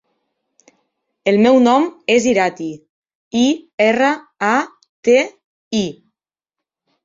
El meu nom és Irati: i, erra, a, te, i.